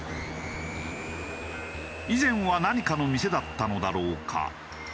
以前は何かの店だったのだろうか？